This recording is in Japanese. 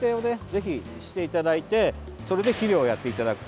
ぜひしていただいてそれで肥料をやっていただく。